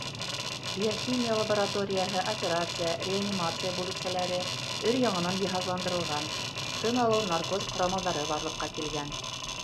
Биохимия лабораторияһы, операция, реанимация бүлексәләре өр-яңынан йыһазландырылған, тын алыу-наркоз ҡорамалдары барлыҡҡа килгән.